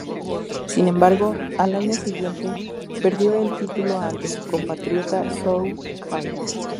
Sin embargo, al año siguiente, perdió el título ante su compatriota Zou Kai.